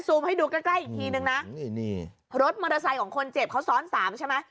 สวมให้ดูใกล้หนึ่งนะนี่นะรถมอเตอร์ไซค์ของคนเจ็บเขาซ้อน๓เหรอไหม